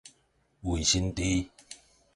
衛生箸